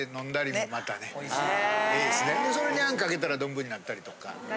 それに餡かけたらどんぶりになったりとか。